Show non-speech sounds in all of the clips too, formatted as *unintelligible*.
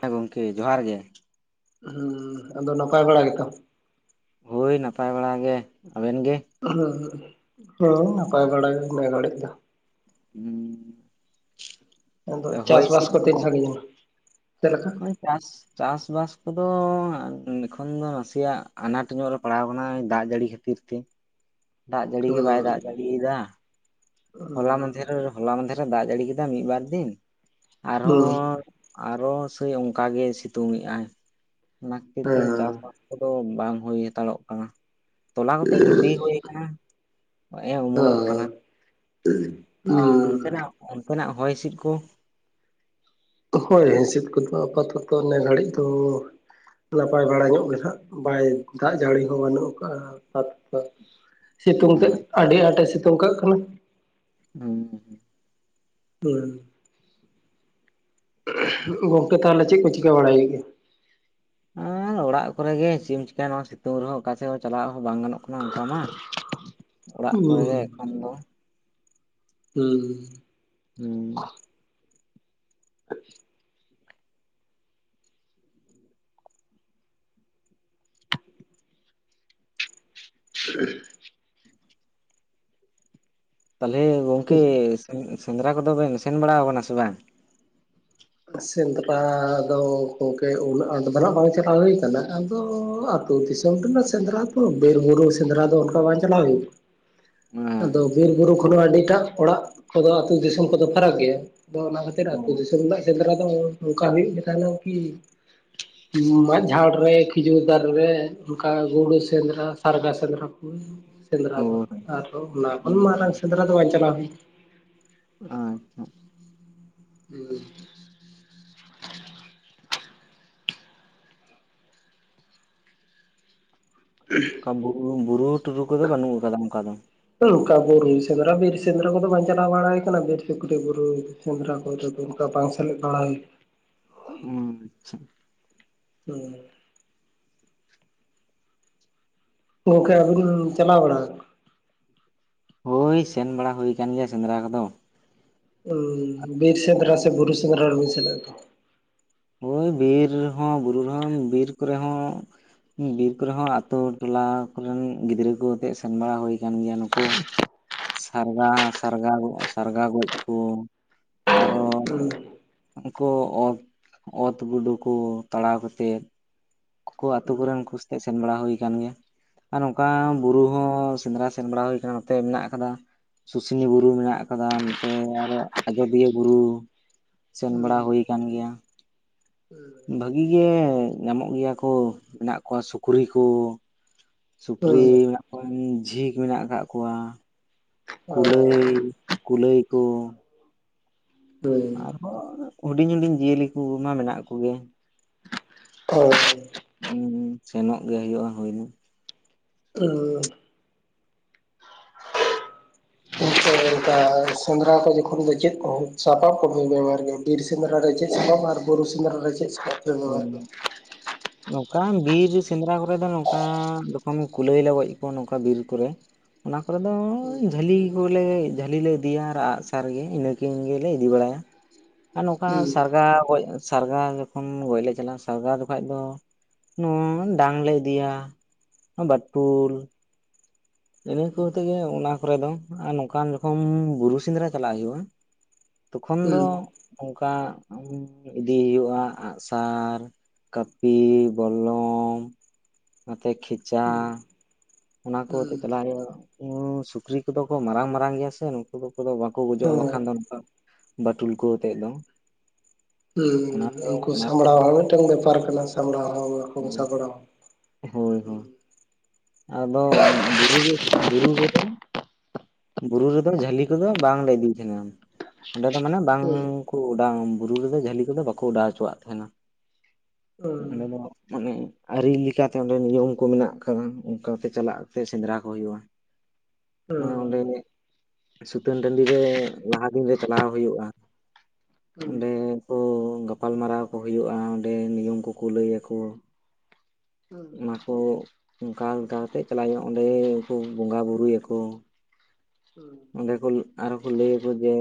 ᱦᱮᱸ ᱜᱚᱢᱠᱮ ᱡᱚᱦᱟᱨ ᱜᱮ ᱦᱩᱸ ᱟᱫᱚ ᱱᱟᱯᱟᱭ ᱵᱟᱲᱟ ᱜᱮᱛᱚ ᱦᱳᱭ ᱱᱟᱯᱟᱭ ᱵᱟᱲᱟ ᱜᱮ ᱟᱵᱤᱱ ᱜᱮ ᱦᱩᱸ ᱦᱚᱸ ᱱᱟᱯᱟᱭ ᱵᱟᱲᱟ ᱜᱮ ᱱᱮ ᱜᱷᱟᱹᱲᱤᱡ ᱫᱚ ᱦᱩᱸ ᱟᱫᱚ ᱪᱟᱥᱵᱟᱥ ᱠᱚ ᱛᱤᱱ ᱥᱟᱜᱤᱧ ᱪᱮᱫ ᱞᱮᱠᱟ ᱱᱚᱜᱼᱚᱭ ᱪᱟᱥ ᱪᱟᱥ ᱵᱟᱥ ᱠᱚᱫᱚ ᱮᱠᱷᱚᱱ ᱫᱚ ᱱᱟᱥᱮᱭᱟᱜ ᱟᱱᱟᱴ ᱧᱚᱜ ᱨᱮ ᱯᱟᱲᱟᱣ ᱟᱠᱟᱱᱟ ᱫᱟᱜ ᱡᱟᱹᱲᱤ ᱠᱷᱟᱹᱛᱤᱨ ᱛᱮ᱾ ᱫᱟᱜ ᱡᱟᱹᱲᱤ ᱜᱮ ᱦᱩᱸ ᱵᱟᱭ ᱫᱟᱜ ᱡᱟᱹᱲᱤ ᱮᱫᱟ᱾ ᱦᱚᱞᱟ ᱢᱟᱫᱮᱨ ᱦᱚᱞᱟ ᱢᱟᱫᱷᱮᱨ ᱨᱮ ᱫᱟᱜ ᱡᱟᱹᱲᱤ ᱠᱮᱫᱟ ᱢᱤᱫ ᱵᱟᱨ ᱫᱤᱱ ᱦᱩᱸ ᱟᱨᱦᱚᱸ ᱟᱨᱚ ᱥᱮᱭ ᱚᱱᱠᱟ ᱜᱮ ᱥᱤᱛᱩᱝ ᱮᱜ ᱟᱭ ᱚᱱᱟ ᱠᱷᱟᱹᱛᱤᱨ ᱛᱮ ᱪᱟᱥ ᱠᱚᱫᱚ ᱵᱟᱝ ᱦᱩᱭ ᱦᱟᱛᱟᱲᱚᱜ ᱠᱟᱱᱟ ᱛᱚᱞᱟ ᱛᱮ ᱜᱤᱫᱤ ᱦᱩᱭ ᱟᱠᱟᱱᱟ ᱦᱮᱸ ᱚᱢᱚᱱᱚᱜ ᱠᱟᱱᱟ *unintelligible* ᱚ ᱚᱱᱛᱮᱱᱟᱜ ᱚᱱᱛᱮᱱᱟᱜ ᱦᱚᱭ ᱦᱤᱥᱤᱫ ᱠᱩ ᱦᱳᱭ ᱦᱤᱸᱥᱤᱫ ᱠᱚᱫᱚ ᱟᱯᱟᱛᱚᱛᱚ ᱱᱚᱱᱮ ᱜᱷᱟᱹᱲᱤᱡ ᱫᱚ ᱱᱟᱯᱟᱭ ᱵᱟᱲᱟ ᱧᱚᱜ ᱜᱮ ᱱᱟᱜ ᱵᱟᱭ ᱫᱟᱜ ᱡᱟᱹᱲᱤ ᱦᱚᱸ ᱵᱟᱹᱱᱩᱜ ᱟᱠᱟᱫᱟᱼᱟ ᱥᱤᱛᱩᱝ ᱛᱮ ᱟᱹᱰᱤ ᱟᱸᱴ ᱮ ᱥᱤᱛᱩᱝ ᱠᱟᱜ ᱠᱟᱱᱟ᱾ ᱦᱩᱸ ᱦᱩᱸ ᱜᱚᱝᱠᱮ ᱛᱟᱦᱚᱞᱮ ᱪᱮᱫ ᱠᱚ ᱪᱤᱠᱟᱹ ᱵᱟᱲᱟᱭ ᱦᱩᱭᱩᱜ ᱜᱮᱭᱟ ᱟᱨ ᱚᱲᱟᱜ ᱠᱚᱨᱮ ᱜᱮ ᱪᱮᱫ ᱮᱢ ᱪᱤᱠᱟᱭᱟ ᱱᱚᱣᱟ ᱥᱤᱛᱩᱝ ᱨᱮᱦᱚᱸ ᱚᱠᱟᱥᱮᱫ ᱦᱚᱸ ᱪᱟᱞᱟᱜ ᱦᱚᱸ ᱵᱟᱝ ᱜᱟᱱᱚᱜ ᱠᱟᱱᱟ ᱚᱱᱠᱟ ᱢᱟ᱾ ᱚᱲᱟᱜ ᱠᱚᱨᱮ ᱜᱮ ᱦᱩᱸ ᱮᱠᱷᱚᱱ ᱫᱚ᱾ ᱦᱩᱸ ᱦᱩᱸ ᱟᱪᱪᱷᱟ *unintelligible* ᱛᱟᱦᱚᱞᱮ ᱜᱚᱝᱠᱮ ᱥᱮᱸᱫᱽᱨᱟ ᱠᱚᱫᱚ ᱵᱮᱱ ᱥᱮᱱ ᱵᱟᱲᱟ ᱟᱠᱟᱱᱟ ᱥᱮ ᱵᱟᱝ? ᱥᱮᱸᱫᱽᱨᱟ ᱫᱚ ᱜᱚᱢᱠᱮ ᱩᱱᱟᱹᱜ ᱟᱸᱴ ᱫᱚ ᱵᱟᱝ ᱪᱟᱞᱟᱣ ᱦᱩᱭ ᱠᱟᱱᱟ᱾ ᱟᱫᱚ ᱛᱚ ᱫᱤᱥᱚᱢ ᱨᱮᱱᱟᱜ ᱥᱮᱸᱫᱽᱨᱟ ᱫᱚ ᱵᱩᱨᱩ ᱥᱮᱸᱫᱽᱨᱟ ᱫᱚ ᱚᱱᱠᱟ ᱵᱟᱝ ᱪᱟᱞᱟᱣ ᱦᱩᱭ *unintelligible* ᱟᱫᱚ ᱵᱤᱨ ᱵᱩᱨᱩ ᱠᱷᱚᱱ ᱦᱚᱸ ᱟᱹᱰᱤᱴᱟᱜ ᱚᱲᱟᱜ ᱠᱚᱫᱚ ᱟᱹᱛᱩ ᱫᱤᱥᱚᱢ ᱠᱚᱫᱚ ᱯᱷᱟᱨᱟᱠ ᱜᱮᱭᱟ ᱟᱫᱚ ᱚᱱᱟ ᱠᱷᱟᱹᱛᱤᱨ ᱟᱹᱛᱩ ᱚ ᱫᱤᱥᱚᱢ ᱨᱮᱱᱟᱜ ᱥᱮᱸᱫᱽᱨᱟ ᱫᱚ ᱚᱱᱠᱟ ᱦᱩᱭᱩᱜ ᱜᱮ ᱛᱟᱦᱮᱸᱱᱟ ᱠᱤ ᱢᱟᱜ ᱡᱷᱟᱲ ᱨᱮ ᱠᱷᱤᱡᱩᱨ ᱫᱟᱨᱮ ᱨᱮ ᱚᱱᱠᱟ ᱜᱩᱰᱩ ᱥᱮᱸᱫᱽᱨᱟ ᱥᱟᱨᱜᱟ ᱥᱮᱸᱫᱽᱨᱟ ᱥᱮᱸᱫᱽᱨᱟ ᱚ ᱫᱚ ᱟᱨ ᱚᱱᱟ ᱠᱷᱚᱱᱟᱝ ᱢᱟᱨᱟᱝ ᱥᱮᱸᱫᱽᱨᱟ ᱫᱚ ᱵᱟᱝ ᱪᱟᱞᱟᱣ ᱦᱩᱭ ᱟᱪᱪᱷᱟ ᱦᱮᱸ *unintelligible* ᱚᱱᱠᱟ ᱵᱩᱨᱩ ᱴᱩᱨᱩ ᱠᱚᱫᱚ ᱵᱟᱹᱱᱩᱜ ᱟᱠᱟᱫᱟ ᱚᱱᱠᱟ ᱫᱚ ᱱᱚᱝᱠᱟ ᱵᱩᱨᱩ ᱥᱮᱫᱽᱨᱟ ᱵᱤᱨ ᱥᱮᱫᱽᱨᱟ ᱠᱚᱫᱚ ᱵᱟᱝ ᱪᱟᱞᱟᱣ ᱵᱟᱲᱟ ᱦᱩᱭ ᱠᱟᱱᱟ ᱵᱤᱨ ᱥᱩᱠᱨᱤ ᱵᱩᱨᱩ ᱥᱮᱸᱫᱽᱨᱟ ᱠᱚᱨᱮ ᱫᱟ ᱚᱱᱠᱟ ᱵᱟᱝ ᱥᱟᱞᱮᱫ ᱵᱟᱲᱟ ᱦᱩᱭ ᱟᱪᱪᱷᱟ ᱦᱮᱸ ᱜᱚᱢᱠᱮ ᱟᱹᱵᱤᱱ ᱪᱟᱞᱟᱣ ᱵᱟᱲᱟ ᱟᱠᱟᱱᱟ ᱦᱳᱭ ᱥᱮᱱ ᱵᱟᱲᱟ ᱦᱩᱭ ᱟᱠᱟᱱ ᱜᱮᱭᱟ ᱥᱮᱸᱫᱽᱨᱟ ᱠᱚᱫᱚ ᱦᱩᱸ ᱵᱤᱨ ᱥᱮᱸᱫᱽᱨᱟ ᱥᱮ ᱵᱩᱨᱩ ᱥᱮᱸᱫᱽᱨᱟ ᱨᱮᱵᱤᱱ ᱥᱮᱞᱮᱫ ᱞᱮᱱᱟ᱾ ᱦᱳᱭ ᱵᱤᱨ ᱦᱚᱸ ᱵᱩᱨᱩ ᱨᱮᱦᱚᱸ ᱵᱤᱨ ᱠᱚᱨᱮ ᱦᱚᱸ ᱵᱤᱨ ᱠᱚᱨᱮ ᱦᱚᱸ ᱟᱛᱳ ᱴᱚᱞᱟ ᱠᱚᱨᱮᱱ ᱜᱤᱫᱽᱨᱟᱹ ᱠᱚ ᱦᱚᱛᱮᱫ ᱥᱮᱱ ᱵᱟᱲᱟ ᱦᱩᱭ ᱟᱠᱟᱱ ᱜᱮᱭᱟ ᱱᱩᱠᱩ ᱥᱟᱨᱜᱟ ᱥᱟᱨᱜᱚ ᱥᱟᱨᱜᱟ ᱜᱚᱡ ᱠᱚ ᱟᱨᱚ ᱠᱟᱱᱟ? ᱩᱱᱠᱩ ᱚᱛ ᱚᱛ ᱜᱩᱰᱩᱠᱩ ᱛᱟᱲᱟᱣ ᱠᱟᱛᱮᱫ ᱠᱷᱳ ᱟᱹᱛᱩ ᱠᱚᱨᱮᱱ ᱩᱱᱠᱩ ᱠᱚ ᱥᱟᱛᱮᱜ ᱥᱮᱱ ᱵᱟᱲᱟ ᱦᱩᱭ ᱠᱟᱱ ᱜᱮᱭᱟ ᱾ ᱟᱨ ᱱᱚᱝᱠᱟ ᱵᱩᱨᱩ ᱦᱚᱸᱥᱮᱸᱫᱽᱨᱟ ᱥᱮᱱ ᱵᱟᱲᱟ ᱦᱩᱭ ᱟᱠᱟᱱ ᱛᱮ ᱢᱮᱱᱟᱜ ᱟᱠᱟᱫᱟ ᱾ ᱥᱩᱥᱤᱱᱤ ᱵᱩᱨᱩ ᱢᱮᱱᱟᱜ ᱟᱠᱟᱫᱟ ᱱᱚᱛᱮ ᱟᱨᱚ ᱟᱡᱚᱫᱤᱭᱟᱹ ᱵᱩᱨᱩ ᱾ ᱥᱮᱱ ᱵᱟᱲᱟ ᱦᱩᱭ ᱠᱟᱱ ᱜᱮᱭᱟ ᱾ ᱵᱷᱟᱹᱜᱤ ᱜᱮ ᱧᱟᱢᱚᱜ ᱜᱮᱭᱟ ᱠᱚ ᱢᱮᱱᱟᱜ ᱠᱚᱣᱟ ᱥᱩᱠᱨᱤ ᱠᱚ ᱥᱩᱠᱨᱤ ᱢᱮᱱᱟᱜ ᱠᱚᱣᱟ ᱡᱷᱤᱠ ᱢᱮᱱᱟᱜ ᱟᱠᱟᱫ ᱠᱚᱣᱟ᱾ ᱠᱩᱞᱟᱹᱭ ᱠᱩᱞᱟᱹᱭ ᱠᱚ ᱟᱨᱦᱚᱸ ᱦᱩᱰᱤᱧ ᱦᱩᱰᱤᱧ ᱡᱤᱭᱟᱹᱞᱤ ᱠᱚᱢᱟ ᱢᱮᱱᱟᱜ ᱠᱚᱜᱮ ᱾ *unintelligible* ᱥᱮᱱᱚᱜ ᱜᱮ ᱦᱩᱭᱩᱜᱼᱟ ᱾ ᱦᱩᱭᱩᱜ *unintelligible* *unintelligible* ᱥᱮᱸᱫᱽᱨᱟ ᱠᱚ ᱡᱚᱠᱷᱚᱱ ᱫᱚ ᱪᱮᱜ ᱠᱚ ᱥᱟᱯᱟᱯ ᱠᱚ ᱵᱮᱱ ᱜᱮᱢᱮᱨ ᱜᱮ ᱵᱤᱨ ᱥᱮᱸᱫᱽᱨᱟ ᱨᱮ ᱪᱮᱜ ᱥᱟᱯᱟᱯ ᱵᱩᱨᱩ ᱥᱮᱸᱫᱽᱨᱟ ᱨᱮ ᱪᱮᱫ ᱥᱟᱯᱟᱯ ᱦᱩ ᱱᱚᱠᱟᱱ ᱵᱤᱨ ᱥᱮᱸᱫᱽᱨᱟ ᱠᱚᱨᱮ ᱫᱚ ᱱᱚᱝᱠᱟ ᱡᱚᱠᱷᱚᱱ ᱠᱩᱞᱟᱹᱭ ᱞᱮ ᱜᱚᱡ ᱠᱚᱣᱟ ᱱᱚᱝᱠᱟ ᱵᱤᱨ ᱠᱚᱨᱮ ᱚᱱᱟ ᱠᱚᱨᱮ ᱫᱚ ᱡᱷᱟᱹᱞᱤ ᱠᱩᱞᱟᱹᱭ ᱡᱷᱟᱹᱞᱤ ᱞᱮ ᱤᱫᱤᱭᱟ ᱟᱨ ᱟᱜᱼᱥᱟᱨ ᱜᱮ ᱤᱱᱟᱹᱠᱤᱱ ᱜᱮᱞᱮ ᱤᱫᱤ ᱵᱟᱲᱟᱭᱟ ᱾ ᱟᱨ ᱱᱚᱝᱠᱟ ᱦᱩᱸ ᱥᱟᱨᱜᱟ ᱜᱚᱡ ᱥᱟᱨᱜᱟ ᱠᱷᱚᱱ ᱜᱚᱡ ᱞᱮ ᱪᱟᱞᱟᱜᱼᱟ ᱥᱟᱨᱜᱟ ᱫᱚᱠᱷᱟᱡ ᱫᱚ ᱱᱚᱝ ᱰᱟᱝ ᱞᱮ ᱤᱫᱤᱭᱟ ᱾ ᱵᱟᱴᱩᱞ ᱤᱱᱟᱹ ᱦᱩᱸ ᱠᱚᱛᱮ ᱜᱮ ᱚᱱᱟ ᱠᱚᱨᱮ ᱫᱚ ᱟᱨ ᱱᱚᱝᱠᱟᱱ ᱡᱚᱠᱷᱚᱱ ᱵᱩᱨᱩ ᱥᱮᱸᱫᱽᱨᱟ ᱪᱟᱞᱟᱜ ᱦᱩᱭᱩᱜᱼᱟ ᱾ ᱛᱚᱠᱷᱚᱱ ᱦᱩᱸ ᱫᱚ ᱚᱝᱠᱟ ᱤᱫᱤᱭ ᱦᱩᱭᱩᱜᱼᱟ ᱟᱸᱜᱼᱥᱟᱨ ᱾ ᱠᱟᱹᱯᱤ ᱵᱚᱞᱞᱚᱝ ᱱᱚᱛᱮ ᱠᱷᱤᱪᱟ ᱾ ᱦᱩ ᱚᱱᱟ ᱠᱚ ᱟᱛᱮᱫ ᱪᱟᱞᱟᱜ ᱦᱳᱭᱳᱜᱼᱟ ᱥᱩᱠᱨᱤ ᱠᱚᱫᱚ ᱠᱚ ᱢᱟᱨᱟᱝ ᱢᱟᱨᱟᱝ ᱜᱮᱭᱟ ᱥᱮ ᱱᱩᱠᱩ ᱫᱚᱫᱚ ᱵᱟᱝ ᱠᱚ ᱜᱚᱡᱚᱜᱼᱟ ᱦᱮᱸ ᱵᱟᱠᱷᱟᱱ ᱫᱚ ᱵᱟᱴᱩᱞ ᱠᱚ ᱟᱛᱮᱜ ᱫᱚ ᱾ ᱦᱩ ᱩᱱᱠᱩ ᱥᱟᱢᱲᱟᱣ ᱦᱚᱸ ᱢᱤᱫᱴᱟᱝ ᱵᱮᱯᱟᱨ ᱠᱟᱱᱟ ᱥᱟᱢᱲᱟᱣ ᱦᱚᱸ ᱵᱟᱠᱚ *unintelligible* ᱦᱳᱭ ᱦᱳᱭ ᱟᱫᱚ ᱵᱩᱨᱩ ᱵᱩᱨᱩ ᱨᱮᱫᱚ ᱵᱩᱨᱩ ᱨᱮᱫᱚ ᱡᱷᱟᱹᱞᱤ ᱠᱚᱫᱚ ᱵᱟᱝᱞᱮ ᱤᱫᱤᱭ ᱛᱟᱦᱮᱸᱱᱟ ᱾ ᱚᱸᱰᱮ ᱫᱚ ᱢᱟᱱᱮ ᱦᱮᱸ ᱵᱟᱝᱠᱚ ᱚᱰᱟᱢ ᱵᱩᱨᱩ ᱨᱮᱫᱚ ᱡᱷᱟᱹᱞᱤ ᱠᱚᱫᱚ ᱵᱟᱠᱚ ᱚᱰᱟᱣ ᱦᱚᱪᱚᱣ ᱛᱟᱦᱮᱱᱟ ᱾ ᱩᱢ ᱚᱸᱰᱮ ᱫᱚ ᱢᱟᱱᱮ ᱟᱹᱨᱤ ᱞᱮᱠᱟᱛᱮ ᱚᱸᱰᱮ ᱱᱤᱭᱚᱢ ᱠᱚ ᱢᱮᱱᱟᱜ ᱠᱟᱫᱟ ᱚᱱᱠᱟ ᱛᱮ ᱪᱟᱞᱟᱜ ᱯᱮ ᱥᱮᱸᱫᱽᱨᱟ ᱠᱚ ᱦᱩᱭᱩᱜᱼᱟ ᱾ ᱦᱮᱸ ᱚᱸᱰᱮ ᱫᱚ ᱥᱩᱛᱟᱹᱱ ᱴᱟᱺᱰᱤ ᱨᱮ ᱞᱟᱦᱟ ᱫᱤᱱ ᱨᱮ ᱪᱟᱞᱟᱣ ᱦᱩᱭᱩᱜᱼᱟ ᱾ ᱦᱮᱸ ᱚᱸᱰᱮᱠᱚ ᱜᱟᱯᱟᱞ ᱢᱟᱨᱟᱣ ᱠᱚ ᱦᱳᱭᱳᱜᱼᱟ ᱚᱸᱰᱮ ᱱᱤᱭᱚᱢ ᱠᱩᱠᱩ ᱞᱟᱹᱭ ᱟᱠᱚ ᱦᱮᱸ ᱾ ᱚᱱᱟ ᱠᱚ ᱚᱱᱠᱟ ᱞᱮᱠᱟ ᱠᱟᱛᱮᱜ ᱪᱟᱞᱟᱜ ᱦᱩᱭᱩᱜᱼᱟ ᱚᱸᱰᱮᱠᱩ ᱵᱚᱸᱜᱟ ᱵᱩᱨᱩᱭᱟᱠᱚ ᱾ ᱚᱸᱰᱮ ᱠᱚ ᱟᱨᱚ ᱠᱚ ᱞᱟᱹᱭ ᱟᱠᱚ ᱡᱮ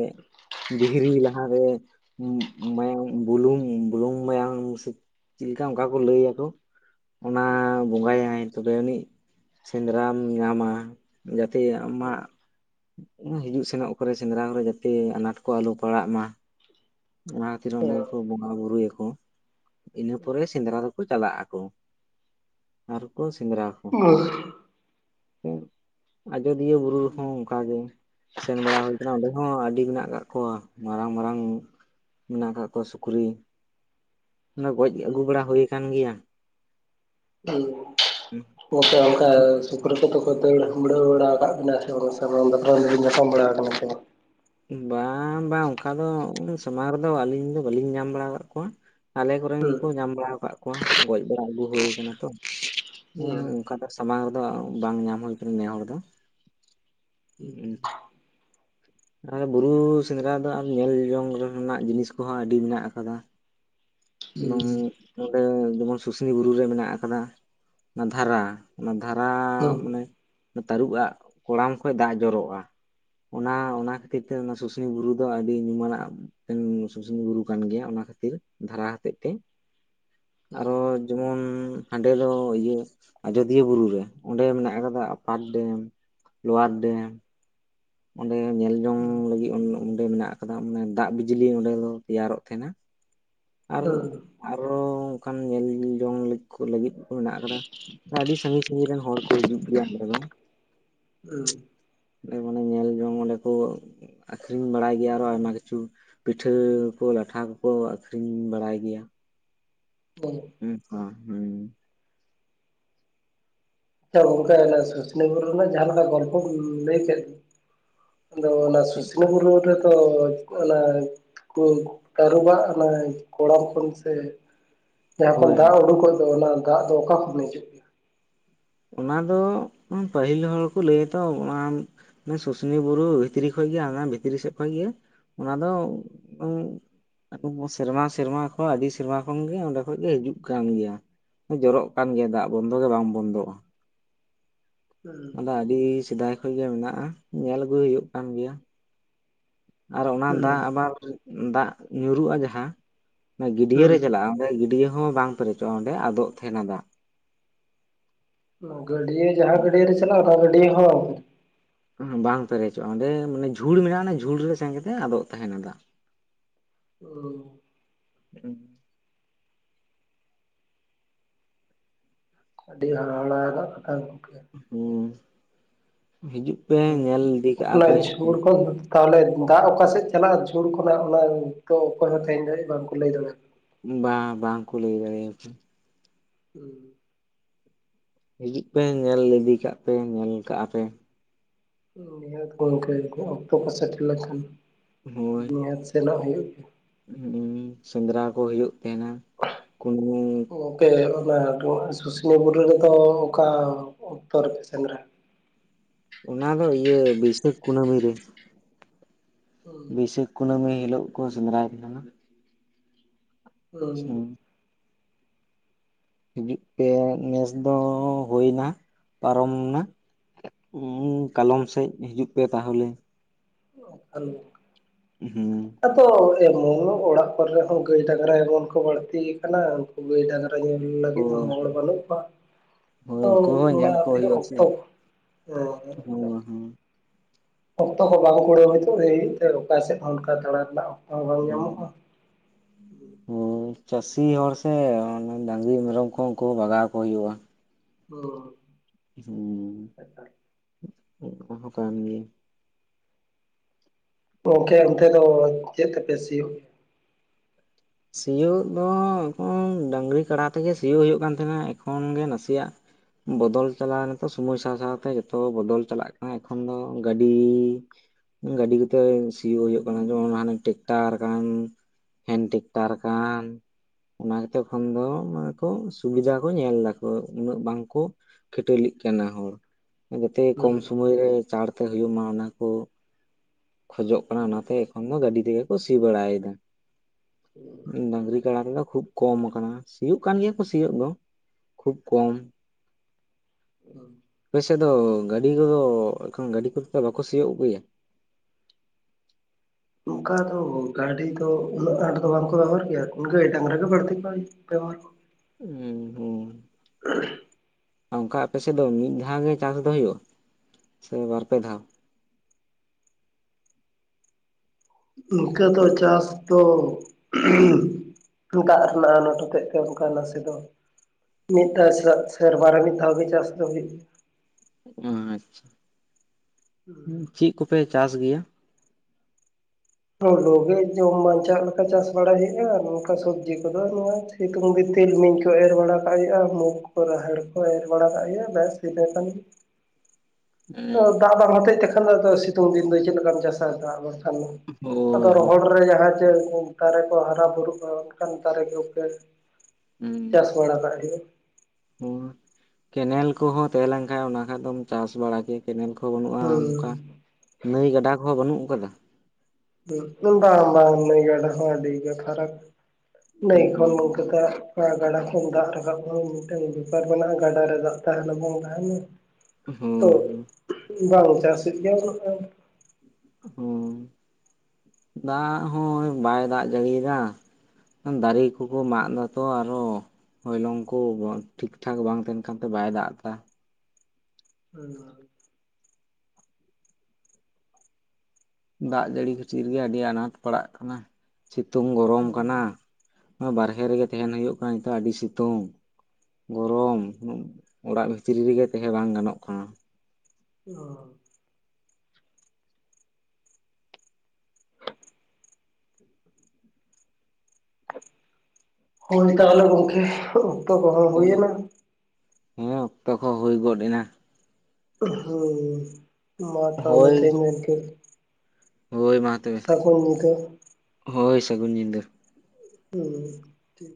ᱫᱤᱦᱤᱨᱤ ᱞᱟᱦᱟᱨᱮ ᱢᱟᱭᱟᱝ ᱵᱩᱞᱩᱝ ᱵᱩᱞᱩᱝ ᱢᱟᱭᱟᱢ ᱾ ᱪᱮᱫᱞᱮᱠᱟ ᱚᱱᱠᱟ ᱠᱚ ᱞᱟᱹᱭᱟᱠᱚ ᱚᱱᱟ ᱵᱚᱸᱜᱟᱭᱟᱭ ᱛᱚᱵᱮ ᱩᱱᱤᱡ ᱾ ᱥᱮᱸᱫᱽᱨᱟᱢ ᱧᱟᱢᱟ ᱡᱟᱛᱮ ᱟᱢᱟᱜ ᱦᱤᱡᱩᱜ ᱥᱮᱱᱚᱜ ᱠᱚᱨᱮ ᱥᱮᱸᱫᱽᱨᱟ ᱠᱚᱨᱮ ᱡᱟᱛᱮ ᱟᱱᱟᱴ ᱠᱚ ᱟᱞᱚ ᱯᱟᱲᱟᱜᱼ ᱢᱟ ᱾ ᱚᱱᱟ ᱠᱷᱟᱹᱛᱤᱨ ᱚᱸᱰᱮ ᱠᱚ ᱵᱚᱸᱜᱟ ᱵᱩᱨᱩ ᱭᱟᱠᱚ ᱾ ᱤᱱᱟᱹ ᱯᱚᱨᱮ ᱥᱮᱸᱫᱽᱨᱟ ᱫᱚᱠᱚ ᱪᱟᱞᱟᱜ ᱟᱠᱚ ᱾ ᱟᱨᱠᱚ ᱥᱮᱸᱫᱽᱨᱟ ᱠᱚ *unintelligible* ᱟᱡᱚᱫᱤᱭᱟᱹ ᱵᱩᱨᱩ ᱨᱮ ᱦᱚᱸ ᱚᱱᱠᱟᱜ ᱜᱮ ᱥᱮᱱ ᱵᱟᱲᱟ ᱦᱩᱭ ᱟᱠᱟᱱᱟ ᱚᱸᱰᱮ ᱦᱚᱸ ᱟᱹᱰᱤ ᱢᱮᱱᱟᱜ ᱟᱠᱟᱫ ᱠᱚᱣᱟ ᱢᱟᱨᱟᱝ ᱢᱟᱨᱟᱝ ᱢᱮᱱᱟᱜ ᱟᱠᱟᱫ ᱠᱚᱣᱟ ᱥᱩᱠᱨᱤ ᱚᱱᱟ ᱜᱚᱡ ᱟᱹᱜᱩ ᱦᱮᱸ ᱵᱟᱲᱟ ᱦᱩᱭ ᱟᱠᱟᱱ ᱜᱮᱭᱟ *unintelligible* ᱜᱚᱝᱠᱮ ᱚᱱᱠᱟ ᱥᱩᱠᱨᱤ ᱠᱚᱫᱚ ᱠᱚ ᱫᱟᱲᱟᱹ ᱵᱟᱲᱟ ᱟᱠᱟᱫ ᱵᱮᱱᱟ ᱥᱮ ᱥᱟᱢᱟᱝ ᱫᱟᱯᱨᱟᱢ ᱫᱚᱵᱤᱱ ᱧᱟᱯᱟᱢ ᱵᱟᱲᱟ ᱟᱠᱟᱫᱟ ᱦᱮ ᱥᱮ ᱵᱟᱝ ᱵᱟᱝ ᱵᱟᱝ ᱚᱱᱠᱟ ᱫᱚ ᱥᱟᱢᱟᱝ ᱨᱮᱫᱚ ᱟᱹᱞᱤᱧ ᱫᱚ ᱵᱟᱹᱞᱤᱧ ᱧᱟᱢ ᱵᱟᱲᱟ ᱟᱠᱟᱫ ᱠᱚᱣᱟ ᱟᱞᱮ ᱠᱚᱨᱮᱱ ᱦᱮᱸ ᱜᱮᱠᱚ ᱧᱟᱢ ᱵᱟᱲᱟ ᱟᱠᱟᱫ ᱠᱚᱣᱟ ᱜᱚᱡ ᱵᱟᱲᱟ ᱟᱹᱜᱩ ᱦᱩᱭ ᱟᱠᱟᱱᱟ ᱛᱚ ᱦᱮᱸ ᱚᱱᱠᱟ ᱥᱟᱢᱟᱝ ᱨᱮᱫᱚ ᱵᱟᱝ ᱧᱟᱢ ᱦᱩᱭ ᱠᱟᱱ ᱱᱮᱦᱚᱲ ᱫᱚ ᱾ *unintelligible* ᱟᱨ ᱵᱩᱨᱩ ᱥᱮᱸᱫᱽᱨᱟ ᱫᱚ ᱟᱨ ᱧᱮᱞ ᱡᱚᱝ ᱨᱮᱱᱟᱜ ᱡᱤᱱᱤᱥ ᱠᱚᱦᱚᱸ ᱟᱹᱰᱤ ᱢᱮᱱᱟᱜ ᱟᱠᱟᱫᱟ ᱮᱫ ᱦᱮᱸ ᱱᱚᱰᱮ ᱡᱮᱢᱚᱱ ᱥᱩᱥᱱᱤ ᱵᱩᱨᱩ ᱨᱮ ᱢᱮᱱᱟᱜ ᱟᱠᱟᱫᱟ ᱚᱱᱟ ᱫᱷᱟᱨᱟ ᱚᱱᱟ ᱫᱷᱟᱨᱟ ᱦᱮᱸ ᱢᱟᱱᱮ ᱛᱟᱹᱨᱩᱵᱽ ᱟᱜ ᱠᱚᱲᱟᱢ ᱠᱷᱚᱡ ᱫᱟᱜ ᱡᱚᱨᱚᱜᱼᱟ ᱚᱱᱟ ᱚᱱᱟ ᱚᱱᱟ ᱠᱷᱟᱹᱛᱤᱨ ᱛᱮ ᱚᱱᱟ ᱥᱩᱥᱩᱱᱤᱭᱟᱹ ᱵᱩᱨᱩ ᱫᱚ ᱟᱹᱰᱤ ᱧᱩᱢᱟᱱᱟᱜ ᱥᱩᱥᱩᱱᱤ ᱵᱩᱨᱩ ᱠᱟᱱ ᱜᱮᱭᱟ ᱚᱱᱟ ᱠᱷᱟᱹᱛᱤᱨ ᱫᱷᱟᱨᱟ ᱦᱚᱛᱮᱫ ᱛᱮ ᱟᱨᱚ ᱡᱮᱢᱚᱱ ᱦᱟᱸᱰᱮ ᱫᱚ ᱤᱭᱟᱹᱧ ᱟᱡᱚᱫᱤᱭᱟᱹ ᱵᱩᱨᱩᱨᱮ ᱚᱸᱰᱮ ᱢᱮᱱᱟᱜ ᱟᱠᱟᱫᱟ ᱟᱯᱟᱨ ᱰᱮᱢ ᱞᱚᱣᱟᱨ ᱰᱮᱢ ᱚᱸᱰᱮ ᱧᱮᱞ ᱡᱚᱝ ᱦᱮᱸ ᱞᱟᱹᱜᱤᱫ ᱚᱸᱰᱮ ᱢᱮᱱᱟᱜ ᱟᱠᱟᱫᱟ ᱚᱱᱮ ᱫᱟᱜ ᱵᱤᱡᱽᱞᱤ ᱚᱸᱰᱮ ᱫᱚ ᱛᱮᱭᱟᱨᱚᱜ ᱛᱟᱦᱮᱱᱟ ᱟᱨ ᱦᱮᱸ ᱟᱨᱚ ᱚᱱᱠᱟᱱ ᱧᱮᱞ ᱡᱚᱝ ᱞᱟᱹᱜᱤᱫ ᱠᱚ ᱞᱟᱹᱜᱤᱫ ᱢᱮᱱᱟᱜ ᱟᱠᱟᱫᱟ ᱟᱹᱰᱤ ᱥᱟᱺᱜᱤᱧ ᱥᱟᱺᱜᱤᱧ ᱨᱮᱱ ᱦᱚᱲ ᱠᱚ ᱦᱤᱡᱩᱜ ᱜᱮᱭᱟ ᱚᱸᱰᱮ ᱫᱚ ᱦᱮᱸ ᱢᱟᱱᱮ ᱧᱮᱞᱡᱚᱝ ᱚᱸᱰᱮ ᱠᱚ ᱟᱠᱷᱨᱤᱧ ᱵᱟᱲᱟᱭ ᱜᱮᱭᱟ ᱟᱨᱚ ᱟᱭᱢᱟ ᱠᱤᱪᱷᱩ ᱯᱤᱴᱷᱟᱹ ᱠᱚ ᱞᱟᱴᱷᱟ ᱠᱚᱠᱚ ᱟᱠᱷᱨᱤᱧ ᱵᱟᱲᱟᱭ ᱜᱮᱭᱟ *unintelligible* ᱦᱮᱸ ᱦᱩᱸ ᱟᱪᱪᱷᱟ ᱜᱚᱢᱠᱮ ᱚᱱᱮ ᱥᱩᱥᱩᱱᱤᱭᱟᱹ ᱵᱩᱨᱩ ᱨᱮᱱᱟᱜ ᱡᱟᱦᱟᱸ ᱞᱮᱠᱟ ᱜᱚᱞᱯᱚ ᱠᱚ ᱞᱟᱹᱭ ᱠᱮᱫ ᱟᱫᱚ ᱚᱱᱟ ᱥᱩᱥᱩᱱᱤᱭᱟᱹ ᱵᱩᱨᱩ ᱨᱮ ᱫᱚ ᱚᱱᱟ ᱛᱟᱹᱨᱩᱵᱟᱜ ᱚᱱᱟ ᱠᱚᱲᱟᱢ ᱠᱷᱚᱱ ᱥᱮ ᱡᱟᱦᱟ ᱠᱚ ᱦᱳᱭ ᱦᱳᱭ ᱫᱟᱜ ᱩᱰᱩᱠᱚᱜ ᱫᱚ ᱚᱱᱟ ᱫᱟᱜ ᱫᱚ ᱚᱠᱟ ᱠᱷᱚᱱ ᱦᱤᱡᱩᱜ ᱜᱮᱭᱟ? ᱚᱱᱟ ᱫᱚ ᱯᱟᱹᱦᱤᱞ ᱦᱚᱲᱠᱚ ᱞᱟᱹᱭᱟᱛᱚ ᱚᱱᱟ ᱥᱩᱥᱩᱱᱤᱭᱟᱹ ᱵᱩᱨᱩ ᱵᱷᱤᱛᱨᱤ ᱠᱷᱚᱡ ᱜᱮ ᱟᱭᱢᱟ ᱵᱷᱤᱛᱨᱤ ᱥᱮᱫ ᱠᱷᱚᱡ ᱜᱮ ᱚᱱᱟ ᱫᱚ ᱩᱸ ᱥᱮᱨᱢᱟ ᱥᱮᱨᱢᱟ ᱠᱷᱚᱱ ᱟᱹᱰᱤ ᱥᱮᱨᱢᱟ ᱠᱷᱚᱱ ᱜᱮ ᱚᱸᱰᱮ ᱠᱷᱚᱱ ᱜᱮ ᱦᱤᱡᱩᱜ ᱠᱟᱱ ᱜᱮᱭᱟ ᱡᱚᱨᱚᱜ ᱠᱟᱱ ᱜᱮᱭᱟ ᱫᱟᱜ ᱵᱚᱱᱫᱚ ᱜᱮ ᱵᱟᱝ ᱵᱚᱱᱫᱚᱜᱼᱟ ᱚᱱᱟᱫᱚ ᱟᱹᱰᱤ ᱥᱮᱫᱟᱭ ᱠᱷᱚᱱ ᱜᱮ ᱢᱮᱱᱟᱜᱼᱟ ᱧᱮᱞ ᱟᱹᱜᱩ ᱦᱩᱭᱩᱜ ᱠᱟᱱ ᱜᱮᱭᱟ ᱟᱨ ᱚᱱᱟ ᱫᱟᱜ ᱦᱩᱸ ᱟᱵᱟᱨ ᱫᱟᱜ ᱧᱩᱨᱩᱜᱼᱟ ᱡᱟᱦᱟᱸ ᱜᱟᱹᱰᱭᱟᱹ ᱨᱮ ᱦᱩᱸ ᱪᱟᱞᱟᱜᱼᱟ ᱚᱸᱰᱮ ᱜᱟᱹᱰᱭᱟᱹ ᱦᱚᱸ ᱵᱟᱝ ᱯᱮᱨᱮᱡᱚᱜᱼᱟ ᱚᱸᱰᱮ ᱟᱫᱚᱜ ᱛᱟᱦᱮᱱᱟ ᱫᱟᱜ ᱜᱟᱹᱰᱤᱭᱟᱹ ᱡᱟᱦᱟᱸ ᱜᱟᱹᱰᱤᱭᱟᱹ ᱨᱮ ᱪᱟᱞᱟᱜ-ᱟ ᱚᱱᱟ ᱜᱟᱹᱰᱤᱭᱟᱹ ᱦᱚᱸ ᱵᱟᱝ ᱯᱮᱨᱮᱡᱚᱜᱼᱟ ᱚᱸᱰᱮ ᱢᱟᱱᱮ ᱡᱷᱩᱲ ᱢᱮᱱᱟᱜᱼᱟ ᱚᱱᱟ ᱡᱷᱩᱲ ᱨᱮ ᱥᱮᱱ ᱠᱟᱛᱮ ᱟᱫᱚᱜ ᱛᱟᱦᱮᱱᱟ ᱫᱟᱜ ᱦᱩᱸ ᱟᱹᱰᱤ ᱦᱟᱦᱟᱲᱟ ᱨᱮᱱᱟᱜ ᱠᱟᱛᱷᱟ ᱜᱚᱝᱠᱮ ᱦᱮᱸ ᱦᱤᱡᱩᱜ ᱯᱮ ᱧᱮᱞ ᱤᱫᱤ ᱠᱟᱜᱼᱟ ᱚᱱᱟ ᱯᱮ ᱡᱷᱩᱲ ᱠᱚ ᱛᱟᱦᱚᱞᱮ ᱫᱟᱜ ᱚᱠᱟᱥᱮᱫ ᱪᱟᱞᱟᱜᱼᱟ ᱡᱷᱩᱲ ᱠᱷᱚᱱᱟᱜ ᱚᱱᱟ ᱫᱚ ᱚᱠᱚᱭ ᱦᱚᱸ ᱛᱟᱦᱮᱸ ᱫᱟᱲᱮᱭᱟᱜᱼᱟ ᱵᱟᱝᱠᱚ ᱞᱟᱹᱭ ᱫᱟᱲᱮᱭᱟᱜᱼᱟ ᱵᱟᱝ ᱵᱟᱝ ᱠᱚ ᱞᱟᱹᱭ ᱫᱟᱲᱮᱭᱟᱜ ᱟᱠᱚ ᱦᱩᱸ ᱦᱤᱡᱩᱜ ᱯᱮ ᱧᱮᱞ ᱤᱫᱤ ᱠᱟᱜ ᱯᱮ ᱧᱮᱞ ᱠᱟᱜᱼᱟ ᱯᱮ ᱱᱤᱦᱟᱹᱛ ᱜᱚᱢᱠᱮ ᱚᱠᱛᱚ ᱠᱚ ᱥᱮᱴᱮᱨ ᱞᱮᱠᱷᱟᱱ ᱦᱳᱭ ᱱᱤᱦᱟᱹᱛ ᱥᱮᱱᱚᱜ ᱦᱩᱭᱩᱜ ᱜᱮᱭᱟ ᱥᱮᱸᱫᱽᱨᱟ ᱠᱩ ᱦᱩᱭᱩᱜ ᱛᱟᱦᱮᱸᱱᱟ ᱠᱩᱱᱟᱹᱢᱤ ᱜᱚᱢᱜᱮ ᱚᱱᱟ ᱥᱩᱥᱩᱱᱤᱭᱟᱹ ᱵᱩᱨᱩ ᱨᱮᱫᱚ ᱚᱠᱟ ᱚᱠᱛᱚ ᱨᱮᱯᱮ ᱥᱮᱸᱫᱽᱨᱟᱭᱟ ᱚᱱᱟ ᱫᱚ ᱤᱭᱟᱹ ᱵᱟᱹᱭᱥᱟᱹᱠᱷ ᱠᱩᱱᱟᱹᱢᱤ ᱨᱮ ᱦᱩᱸ ᱵᱟᱹᱭᱥᱟᱹᱠᱷ ᱠᱩᱱᱟᱹᱢᱤ ᱦᱤᱞᱳᱜ ᱠᱚ ᱥᱮᱸᱫᱽᱨᱟᱭᱮᱫ ᱛᱟᱦᱮᱱᱟ ᱦᱩᱸ ᱦᱤᱡᱩᱜ ᱯᱮ ᱱᱮᱥ ᱫᱚ ᱦᱩᱭ ᱮᱱᱟ ᱯᱟᱨᱚᱢ ᱮᱱᱟ ᱦᱩᱸ ᱠᱟᱞᱚᱢ ᱥᱮᱡ ᱦᱤᱡᱩᱜ ᱯᱮ ᱛᱟᱦᱚᱞᱮ ᱠᱟᱞᱚᱢ ᱦᱩᱸ ᱟᱫᱚ ᱮᱢᱚᱱ ᱚᱲᱟᱜ ᱠᱚᱨᱮᱦᱚᱸ ᱜᱟᱹᱭ ᱰᱟᱝᱨᱟ ᱮᱢᱚᱱ ᱠᱚ ᱵᱟᱹᱲᱛᱤ ᱟᱠᱟᱱᱟ ᱩᱱᱠᱩ ᱜᱟᱹᱭ ᱰᱟᱝᱨᱟ ᱧᱮᱞ ᱞᱟᱹᱜᱤᱫ ᱦᱳᱭ ᱦᱚᱲ ᱵᱟᱹᱱᱩᱜ ᱠᱚᱣᱟ ᱦᱳᱭ ᱟᱫᱚ ᱩᱱᱠᱩ ᱦᱚᱸ ᱚᱱᱟ ᱧᱮᱞ ᱠᱚ ᱛᱤᱱᱟᱹᱜ ᱦᱩᱭᱩᱜᱼᱟ ᱥᱮ ᱚᱠᱛᱚ ᱦᱳᱭ ᱚᱠᱛᱚ ᱦᱚᱸ ᱵᱟᱝᱠᱚ ᱠᱩᱲᱟᱹ ᱦᱚ ᱛᱚ ᱚᱠᱟ ᱥᱮᱫ ᱦᱚᱸ ᱚᱱᱠᱟ ᱫᱟᱲᱟ ᱨᱮᱱᱟᱜ ᱚᱠᱛᱚ ᱦᱚᱸ ᱵᱟᱝ ᱦᱳᱭ ᱧᱟᱢᱚᱜᱼᱟ *unintelligible* ᱪᱟᱹᱥᱤ ᱦᱚᱲ ᱥᱮ ᱰᱟᱝᱨᱤ ᱢᱮᱨᱚᱢ ᱠᱚᱦᱚᱸ ᱠᱚ ᱵᱟᱜᱟᱣ ᱠᱚ ᱜᱤᱭᱟ ᱾ ᱚᱸ ᱦᱩᱸ ᱚᱱᱠᱟ ᱦᱚᱸ ᱠᱟᱱ ᱜᱮᱭᱟ ᱜᱚᱢᱠᱮ ᱚᱱᱛᱮ ᱫᱚ ᱪᱮᱫ ᱛᱮᱯᱮ ᱥᱤᱭᱳᱜ? ᱥᱤᱭᱳᱜ ᱫᱚ ᱮᱠᱷᱚᱱ ᱰᱟᱹᱝᱨᱤ ᱠᱟᱰᱟ ᱛᱮᱜᱮ ᱥᱤᱭᱳᱜ ᱦᱩᱭᱩᱜ ᱠᱟᱱ ᱛᱟᱦᱮᱱᱟ ᱮᱠᱷᱚᱱ ᱜᱮ ᱱᱟᱥᱮᱭᱟᱜ᱾ ᱵᱚᱫᱚᱞ ᱪᱟᱞᱟᱣ ᱱᱤᱛᱚᱜ ᱥᱚᱢᱚᱭ ᱥᱟᱶ ᱥᱟᱶᱛᱮ ᱡᱚᱛᱚ ᱵᱚᱫᱚᱞ ᱪᱟᱞᱟᱜ ᱠᱟᱱᱟ ᱮᱠᱷᱚᱱ ᱫᱚ ᱜᱟᱹᱰᱤ᱾ ᱜᱟᱹᱰᱤ ᱠᱚᱛᱮ ᱥᱤᱭᱳᱜ ᱦᱩᱭᱩᱜ ᱠᱟᱱᱟ ᱡᱮᱢᱚᱱ ᱦᱟᱱᱮ ᱴᱮᱠᱴᱟᱨᱠᱟᱱ ᱦᱮᱱ ᱴᱮᱠ ᱛᱟᱨᱠᱟᱱ ᱚᱱᱟ ᱠᱟᱛᱮ ᱠᱷᱚᱱ ᱫᱚ ᱚᱱᱮ ᱠᱚ ᱥᱩᱵᱤᱫᱟ ᱠᱚ ᱧᱮᱞ ᱫᱟᱠᱚ ᱩᱱᱟᱹᱜ ᱵᱟᱝᱠᱚ᱾ ᱠᱷᱤᱴᱟᱹᱞᱤᱜ ᱠᱟᱱᱟ ᱦᱚᱲ ᱡᱟᱛᱮ ᱦᱩᱸ ᱠᱚᱢ ᱦᱩᱸ ᱥᱚᱢᱚᱭᱨᱮ ᱪᱟᱲᱛᱮ ᱦᱩᱭᱩᱜ ᱢᱟ ᱚᱱᱟ ᱠᱚ᱾ ᱠᱷᱚᱡᱚᱜ ᱠᱟᱱᱟ ᱚᱱᱟᱛᱮ ᱮᱠᱷᱚᱱ ᱫᱚ ᱜᱟᱹᱰᱤ ᱛᱮᱜᱮ ᱠᱚ ᱥᱤ ᱵᱟᱲᱟᱭᱮᱫᱟ᱾ ᱦᱩᱸ ᱰᱟᱹᱝᱨᱤ ᱠᱟᱰᱟ ᱨᱮᱫᱚ ᱠᱷᱩᱵ ᱠᱚᱢ ᱟᱠᱟᱱᱟ ᱥᱤᱭᱳᱜ ᱠᱟᱱ ᱜᱮᱭᱟ ᱠᱚ ᱥᱤᱭᱳᱜ ᱫᱚ᱾ ᱠᱷᱩᱵ ᱠᱚᱢ ᱦᱩᱸ ᱟᱯᱮᱥᱮᱫ ᱫᱚ ᱜᱟᱹᱰᱤ ᱠᱚᱫᱚ ᱮᱠᱷᱚᱱ ᱜᱟᱹᱰᱤ ᱠᱚᱫᱚ ᱵᱟᱠᱚ ᱥᱤᱭᱳᱜ ᱟᱹᱜᱩᱭᱟ? ᱚᱱᱠᱟ ᱫᱚ ᱜᱟᱹᱰᱤ ᱫᱚ ᱩᱱᱟᱹᱜ ᱟᱸᱴ ᱫᱚ ᱵᱟᱝᱠᱚ ᱵᱮᱵᱚᱦᱟᱨ ᱜᱮᱭᱟ ᱜᱟᱹᱭ ᱰᱟᱝᱨᱟ ᱜᱮ ᱵᱟᱹᱲᱛᱤ ᱠᱟᱭ᱾ ᱵᱮᱵᱷᱟᱨ ᱠᱚ ᱦᱩᱸ ᱦᱩᱸ ᱟᱨ *unintelligible* ᱚᱱᱠᱟ ᱟᱯᱮᱥᱮᱫ ᱫᱚ ᱢᱤᱫ ᱫᱷᱟᱣ ᱜᱮ ᱪᱟᱥ ᱫᱚ ᱦᱩᱭᱩᱜᱼᱟ ᱥᱮ ᱵᱟᱨᱯᱮ ᱫᱷᱟᱣ? ᱱᱤᱝᱠᱟ ᱫᱚ ᱪᱟᱥ ᱫᱚ ᱫᱟᱜ ᱨᱮᱱᱟᱜ ᱟᱱᱟᱴ ᱦᱚᱛᱮᱡ ᱛᱮ ᱚᱱᱠᱟ ᱱᱟᱥᱮ ᱫᱚ- ᱢᱤᱫ ᱫᱷᱟᱣ ᱥᱮᱨ ᱥᱮᱨᱢᱟ ᱨᱮ ᱢᱤᱫ ᱫᱷᱟᱣ ᱜᱮ ᱪᱟᱥ ᱫᱚ ᱦᱩᱭᱩᱜᱼᱟ᱾ ᱟᱪᱪᱷᱟ ᱪᱮᱫ ᱠᱚᱯᱮ ᱪᱟᱥ ᱜᱮᱭᱟ? ᱦᱩᱲᱩ ᱜᱮ ᱡᱚᱢ ᱵᱟᱧᱪᱟᱜ ᱞᱮᱠᱟ ᱪᱟᱥ ᱵᱟᱲᱟᱭ ᱦᱩᱭᱩᱜᱼᱟ ᱱᱚᱝᱠᱟ ᱥᱚᱵᱽᱡᱤ ᱠᱚᱫᱚ ᱱᱚᱣᱟ ᱥᱤᱛᱩᱝ ᱜᱤᱛᱤᱞᱢᱤᱧ ᱠᱚ ᱮᱨ ᱵᱟᱲᱟ ᱠᱟᱜ ᱦᱩᱭᱩᱜᱼᱟ ᱢᱩᱠ ᱠᱚ ᱨᱟᱦᱮᱲ ᱠᱚ ᱮᱨ ᱵᱟᱲᱟ ᱠᱟᱜ ᱦᱩᱭᱩᱜᱼᱟ ᱵᱮᱥ ᱤᱱᱟᱹ ᱠᱟᱱ ᱜᱮ᱾ ᱻ *inaudible* ᱫᱟᱜ ᱵᱟᱢ ᱦᱚᱛᱮᱫ ᱛᱮᱠᱷᱟᱱ ᱫᱚ ᱟᱫᱚ ᱥᱤᱛᱩᱝ ᱫᱤᱱ ᱫᱚ ᱪᱮᱫ ᱞᱮᱠᱟᱢ ᱪᱟᱥᱟ ᱫᱟᱜ ᱵᱟᱝᱠᱷᱟᱱ ᱫᱚ᱾ ᱟᱫᱚ ᱦᱳᱭ ᱦᱳᱭ ᱨᱚᱦᱚᱲ ᱨᱮ ᱡᱟᱦᱟᱸ ᱡᱮ ᱫᱟᱨᱮ ᱠᱚ ᱦᱟᱨᱟ ᱵᱩᱨᱩᱜᱼᱟ ᱚᱱᱠᱟᱱ ᱫᱟᱨᱮ ᱜᱮᱯᱮ᱾ ᱪᱟᱥ ᱵᱟᱲᱟ ᱠᱟᱜ ᱦᱩᱭᱩᱜ-ᱟ ᱦᱚᱸ ᱠᱮᱱᱮᱞ ᱠᱚᱦᱚᱸ ᱛᱟᱦᱮᱸ ᱞᱮᱱ ᱠᱷᱟᱱ ᱚᱱᱟ ᱠᱷᱟᱱ ᱫᱚᱢ ᱪᱟᱥ ᱵᱟᱲᱟ ᱠᱮᱭᱟ᱾ ᱠᱮᱱᱮᱞ ᱠᱚ ᱵᱟᱹᱱᱩᱜᱼᱟ ᱦᱩᱸ ᱱᱚᱝᱠᱟ ᱱᱟᱹᱭ ᱜᱟᱰᱟ ᱠᱚᱦᱚᱸ ᱵᱟᱹᱱᱩᱜ ᱟᱠᱟᱫᱟ? ᱵᱟᱝ ᱵᱟᱝ ᱜᱟᱰᱟ ᱟᱹᱰᱤ ᱜᱮ ᱯᱷᱟᱨᱠ ᱱᱟᱹᱭ ᱠᱷᱚᱱ᱾ ᱜᱟᱰᱟ ᱠᱷᱚᱱ ᱫᱟᱜ ᱨᱟᱠᱟᱵ ᱢᱤᱫᱴᱮᱱ ᱵᱮᱯᱟᱨ ᱢᱮᱱᱟᱜᱼᱟ ᱜᱟᱰᱟ ᱨᱮ ᱫᱟᱜ ᱛᱟᱦᱮᱱᱟ ᱵᱟᱝ ᱛᱟᱦᱮᱱᱟ᱾ ᱛᱚ ᱦᱳᱭ ᱵᱟᱝ ᱪᱟᱥ ᱦᱩᱭᱩᱜ ᱜᱮᱭᱟ ᱩᱱᱟᱜ ᱫᱚ᱾ ᱦᱩᱸ ᱫᱟᱜ ᱦᱚᱸ ᱵᱟᱭ ᱫᱟᱜ ᱡᱟᱹᱲᱤᱭ ᱮᱫᱟ ᱫᱟᱨᱤ ᱦᱟᱹᱠᱩ ᱠᱚ ᱢᱟᱜ ᱮᱫᱟ ᱛᱚ ᱟᱨᱚ ᱦᱚᱭᱞᱚᱝ ᱠᱚ ᱴᱷᱤᱠ ᱴᱷᱟᱠ ᱵᱟᱝ ᱛᱟᱦᱮᱱ ᱠᱟᱱ ᱛᱮ ᱵᱟᱭ ᱫᱟᱜ ᱮᱫᱟ᱾ ᱦᱩ ᱫᱟᱜ ᱡᱟᱹᱲᱤ ᱠᱷᱟᱹᱛᱤᱨ ᱜᱮ ᱟᱹᱰᱤ ᱟᱱᱟᱴ ᱯᱟᱲᱟᱜ ᱠᱟᱱᱟ ᱥᱤᱛᱩᱝ ᱜᱚᱨᱚᱢ ᱦᱩᱸ ᱠᱟᱱᱟ᱾ ᱵᱟᱨᱦᱮ ᱨᱮᱜᱮ ᱛᱟᱦᱮᱱ ᱦᱳᱭᱳᱜ ᱠᱟᱱᱟ ᱱᱤᱛᱚᱜ ᱟᱹᱰᱤ ᱥᱤᱛᱩᱝ᱾ ᱜᱚᱨᱚᱢ ᱩᱱᱟᱹᱜ ᱚᱲᱟᱜ ᱵᱷᱤᱛᱨᱤ ᱨᱮᱜᱮ ᱛᱟᱦᱮᱸ ᱵᱟᱝ ᱜᱟᱱᱚᱜ ᱠᱟᱱᱟ᱾ ᱚ ᱦ *unintelligible* ᱦᱳᱭ ᱛᱟᱦᱚᱞᱮ ᱜᱚᱢᱠᱮ ᱚᱠᱛᱚ ᱠᱚᱦᱚ ᱦᱩᱭᱮᱱᱟ᱾ ᱦᱮᱸ ᱚᱠᱛᱚ ᱠᱚ ᱦᱩᱭ ᱜᱚᱫ ᱮᱱᱟ᱾ ᱦᱩᱸ ᱢᱟ ᱛᱟᱦᱚᱞᱮ ᱦᱳᱭ ᱛᱮᱦᱮᱧ ᱫᱚ ᱤᱱᱠᱟᱹ᱾ ᱦᱳᱭ ᱢᱟ᱾ ᱛᱚᱵᱮ ᱥᱟᱹᱜᱩᱱ ᱧᱤᱫᱟᱹ᱾ ᱦᱳᱭ ᱥᱟᱹᱜᱩᱱ ᱧᱤᱫᱟᱹ᱾ ᱦᱩ ᱴᱷᱤᱠ